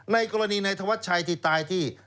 ในกรณีในธวัดชัยที่ตายที่